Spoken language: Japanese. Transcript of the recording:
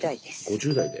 ５０代で。